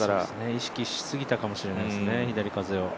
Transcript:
意識しすぎたかもしれないですね、左風を。